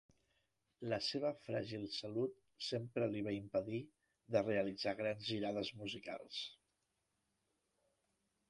La seva fràgil salut sempre li va impedir de realitzar grans girades musicals.